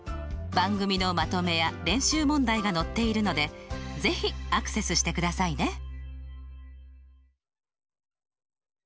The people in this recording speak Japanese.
番組のまとめや練習問題が載っているので是非アクセスしてくださいね！